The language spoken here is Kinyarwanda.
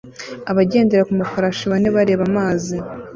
Abagendera ku mafarashi bane bareba mu mazi